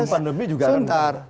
sebelum pandemi juga rendah